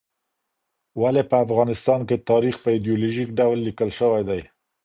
ولې په افغانستان کې تاریخ په ایډیالوژیک ډول لیکل سوی دی؟